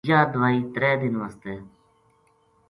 یاہ دوائی ترے دن واسطے